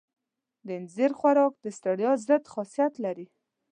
د اینځر خوراک د ستړیا ضد خاصیت لري.